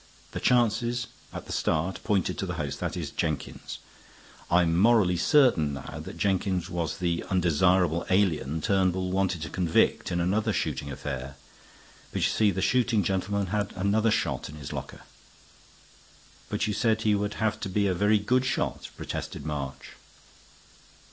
The chances at the start pointed to the host that is, Jenkins. I'm morally certain now that Jenkins was the undesirable alien Turnbull wanted to convict in another shooting affair, but you see the shooting gentleman had another shot in his locker." "But you said he would have to be a very good shot," protested March.